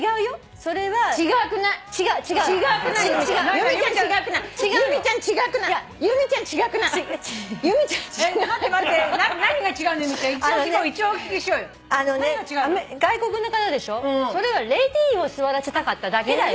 それはレディーを座らせたかっただけだよ。